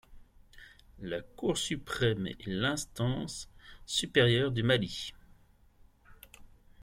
La Cour suprême est l’instance supérieure du Mali.